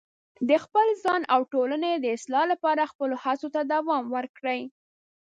د خپل ځان او ټولنې د اصلاح لپاره خپلو هڅو ته دوام ورکړئ.